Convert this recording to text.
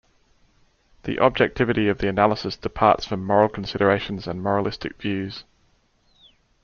The objectivity of the analysis departs from moral considerations and moralistic views.